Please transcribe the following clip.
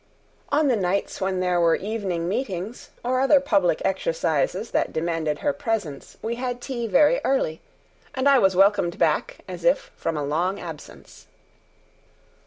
On the nights when there were evening meetings or other public exercises that demanded her presence we had tea very early, and I was welcomed back as if from a long absence.